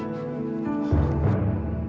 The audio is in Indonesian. mau ngapain pagi pagi datang kemari